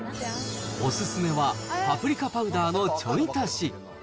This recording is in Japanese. お勧めは、パプリカパウダーのちょい足し。